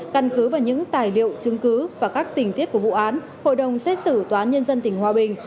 căn cứ vào những tài liệu chứng cứ và các tình tiết của vụ án hội đồng xét xử tòa nhân dân tỉnh hòa bình